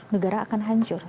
negara akan hancur